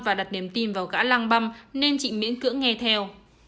và đặt niềm tin vào cả làng băm nên chị miễn cữ nghe theo